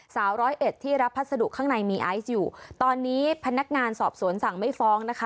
ร้อยเอ็ดที่รับพัสดุข้างในมีไอซ์อยู่ตอนนี้พนักงานสอบสวนสั่งไม่ฟ้องนะคะ